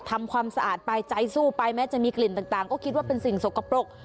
ทำความสะอาดไปใจสู้ไปแม้จะมีกลิ่นต่างก็คิดว่าเป็นสิ่งสกปรก